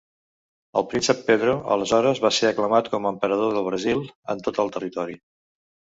El Príncep Pedro, aleshores, va ser aclamat com a Emperador del Brasil en tot el territori.